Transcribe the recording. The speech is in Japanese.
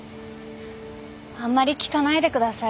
あんまり聞かないでください。